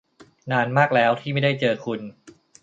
นานมากแล้วที่ไม่ได้เจอคุณ !